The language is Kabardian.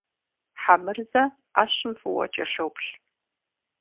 Хьэмырзэ ӏэщым фӏыуэ кӏэлъоплъ.